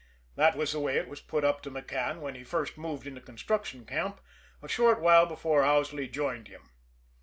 That was the way it was put up to McCann when he first moved into construction camp, a short while before Owsley joined him.